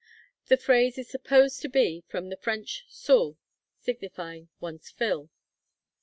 The phrase is supposed to be from the French soûl, signifying one's fill.